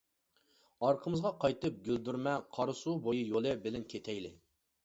ئارقىمىزغا قايتىپ، گۈلدۈرمە، قاراسۇ بويى يولى بىلەن كېتەيلى!